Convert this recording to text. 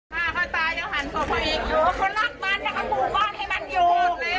บ้านให้อยู่ด้วยอะไรให้อยู่ด้วย